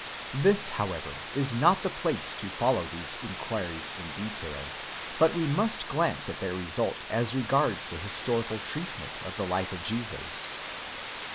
This, however, is not the place to follow these inquiries in detail; but we must glance at their result as regards the historical treatment of the life of Jesus.